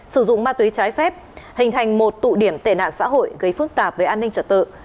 sử dụng ma túy trái phép hình thành một tụ điểm tệ nạn xã hội gây phức tạp về an ninh trật tự